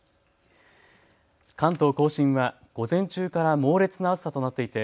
関東甲信は午前中から猛烈な暑さとなっていて